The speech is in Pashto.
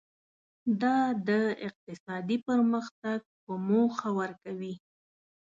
دا د اقتصادي پرمختګ په موخه ورکوي.